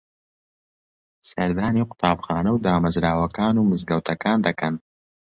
سەردانی قوتابخانە و دامەزراوەکان و مزگەوتەکان دەکەن